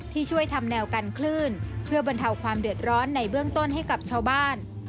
ช่วยทำแนวกันคลื่นเพื่อบรรเทาความเดือดร้อนในเบื้องต้นให้กับชาวบ้าน